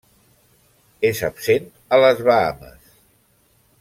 És absent a les Bahames.